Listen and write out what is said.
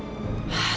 aduh harus kesana ya